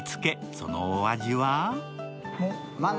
そのお味は？